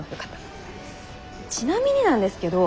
ちなみになんですけど